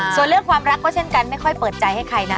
ส่วนเรื่องความรักก็เช่นกันไม่ค่อยเปิดใจให้ใครนะ